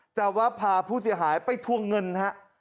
แต่ว่าพาผู้เสียหายไปทวงเงินฮะ